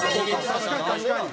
確かに確かに。